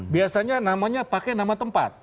biasanya namanya pakai nama tempat